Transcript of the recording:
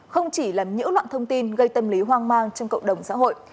không chỉ là những loạn thông tin gây tâm lý hoang mang trong cộng đồng xã hội